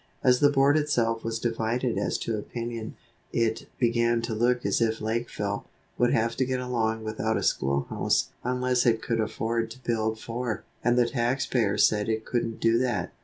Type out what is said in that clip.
As the Board itself was divided as to opinion, it began to look as if Lakeville would have to get along without a schoolhouse unless it could afford to build four, and the tax payers said it couldn't do that.